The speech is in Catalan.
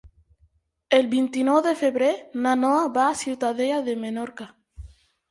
El vint-i-nou de febrer na Noa va a Ciutadella de Menorca.